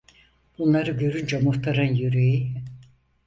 Bunları görünce muhtarın yüreği...